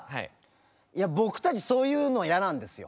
「いや僕たちそういうの嫌なんですよ」。